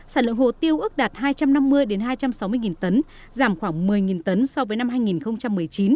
sản lượng hồ tiêu ước đạt hai trăm năm mươi hai trăm sáu mươi tấn giảm khoảng một mươi tấn so với năm hai nghìn một mươi chín